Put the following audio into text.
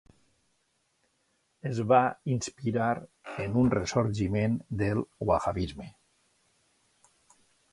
Es va inspirar en un ressorgiment del wahhabisme.